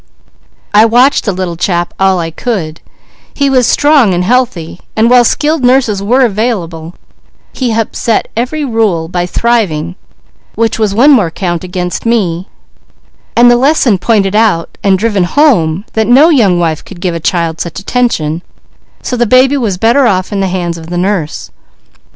I watched the little chap all I could; he was strong and healthy, and while skilled nurses were available he upset every rule by thriving; which was one more count against me, and the lesson pointed out and driven home that no young wife could give a child such attention, so the baby was better off in the hands of the nurse.